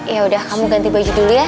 ya udah kamu ganti baju dulu ya